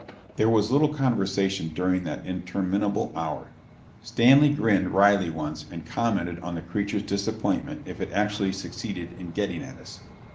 There was little conversation during that interminable hour. Stanley grinned wryly once and commented on the creature's disappointment if it actually succeeded in getting at us.